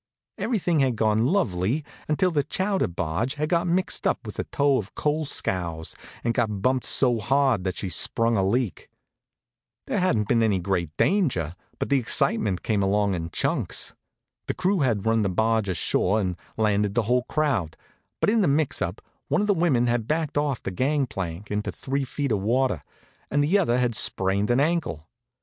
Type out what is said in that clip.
Everything had gone lovely until the chowder barge had got mixed up with a tow of coal scows and got bumped so hard that she sprung a leak. There hadn't been any great danger, but the excitement came along in chunks. The crew had run the barge ashore and landed the whole crowd, but in the mix up one of the women had backed off the gangplank into three feet of water, and the other had sprained an ankle.